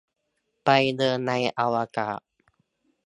ไปเดินในอวกาศ